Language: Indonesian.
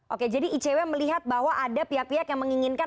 oke jadi icw melihat bahwa ada pihak pihak yang menginginkan